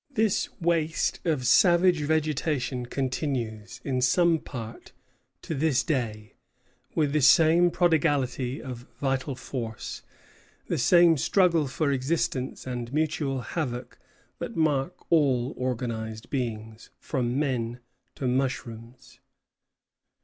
This waste of savage vegetation survives, in some part, to this day, with the same prodigality of vital force, the same struggle for existence and mutual havoc that mark all organized beings, from men to mushrooms.